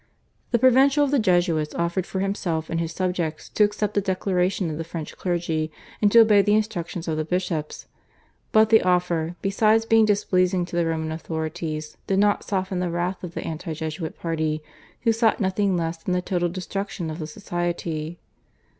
The Provincial of the Jesuits offered for himself and his subjects to accept the Declaration of the French clergy and to obey the instructions of the bishops, but the offer, besides being displeasing to the Roman authorities, did not soften the wrath of the anti Jesuit party, who sought nothing less than the total destruction of the Society.